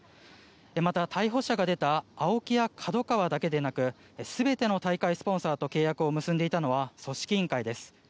また、逮捕者が出たＡＯＫＩやＫＡＤＯＫＡＷＡだけでなく全ての大会スポンサーと契約を結んでいたのは組織委員会です。